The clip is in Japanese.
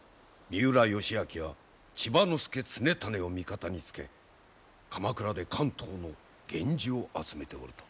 三浦義明や千葉介常胤を味方につけ鎌倉で関東の源氏を集めておると。